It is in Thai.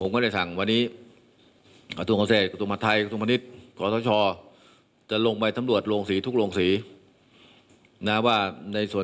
สนับสนุนของไวเช้งแค่ไหนแบบนี้มองสิ่งที่จะเสียงเลยว่าไวเช่น